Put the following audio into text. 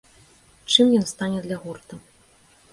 Чым ён стане для гурта?